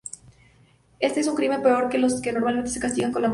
Este es un crimen peor que los que normalmente se castigan con la muerte.